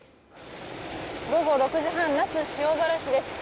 午後６時半那須塩原市です。